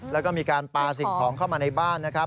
แล้วก็มีการปลาสิ่งของเข้ามาในบ้านนะครับ